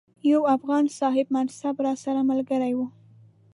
یو افغان صاحب منصب راسره ملګری وو.